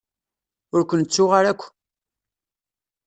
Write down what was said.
Ur ken-ttuɣ ara akk.